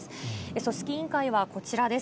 組織委員会はこちらです。